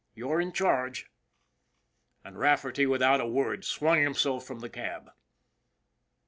You're in charge." And Rafferty without a word swung himself from the cab.